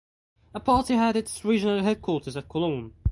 The party had its regional headquarters at Cologne.